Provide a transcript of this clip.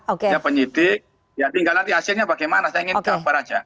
oke penyidik ya tinggal nanti hasilnya bagaimana saya ingin gambar aja